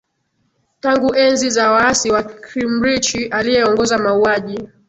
tangu enzi za waasi wa khimrichi aliyeongoza mauaji